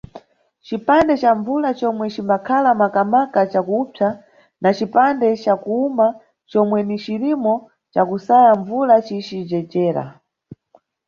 Cipande ca mbvula comwe cimbakhala maka-maka cakupsa na cipande ca kuwuma comwe ni cirimo cakusaya mbvula cici jejera.